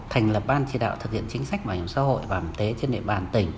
thành lập ban chỉ đạo thực hiện chính sách bảo hiểm xã hội và hiểm y tế trên địa bàn tỉnh